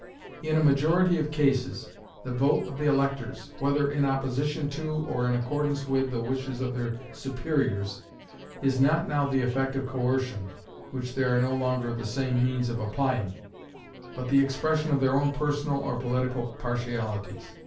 In a majority of cases, the vote of the electors, whether in opposition to or in accordance with the wishes of their superiors, is not now the effect of coercion, which there are no longer the same means of applying, but the expression of their own personal or political partialities.